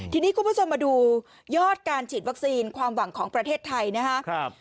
ทีนี้คุณผู้ชมมาดูยอดการฉีดวัคซีนความหวังของประเทศไทยนะครับ